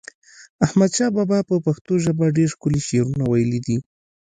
احمد شاه بابا په پښتو ژپه ډیر ښکلی شعرونه وایلی دی